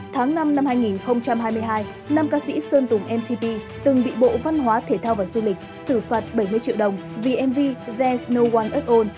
tháng năm năm hai nghìn hai mươi hai năm ca sĩ sơn tùng mtp từng bị bộ văn hóa thể thao và du lịch xử phạt bảy mươi triệu đồng vì mv there s no one at all